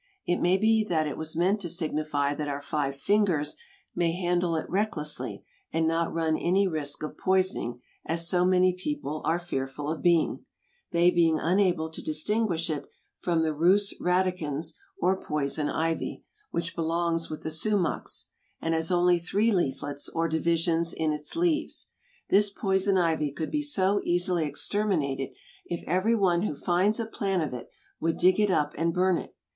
It may be that it was meant to signify that our five fingers may handle it recklessly and not run any risk of poisoning, as so many people are fearful of being—they being unable to distinguish it from the Rhus radicans or poison ivy—which belongs with the sumachs, and has only three leaflets or divisions in its leaves. This poison ivy could be so easily exterminated if every one who finds a plant of it would dig it up and burn it.